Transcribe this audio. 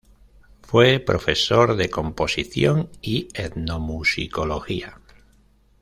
Fue profesor de composición y etnomusicología.